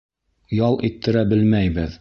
Ял иттерә белмәйбеҙ!